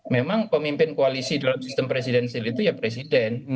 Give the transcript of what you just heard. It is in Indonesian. memang pemimpin koalisi dalam sistem presidensil itu ya presiden